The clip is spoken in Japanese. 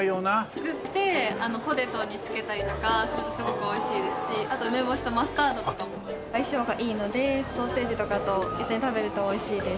作ってポテトにつけたりとかするとすごくおいしいですしあと梅干しとマスタードとかも相性がいいのでソーセージとかと一緒に食べるとおいしいです。